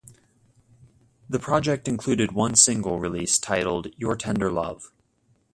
The project included one single release titled "Your Tender Love".